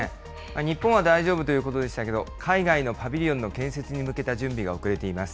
日本は大丈夫ということでしたけど、海外のパビリオンの建設に向けた準備が遅れています。